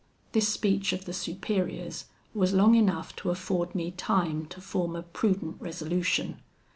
"This speech of the Superior's was long enough to afford me time to form a prudent resolution.